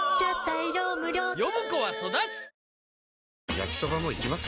焼きソバもいきます？